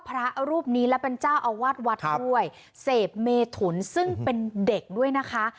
พระรูปนี้และเป็นเจ้าอาวาสวัดด้วยเสพเมถุนซึ่งเป็นเด็กด้วยนะคะ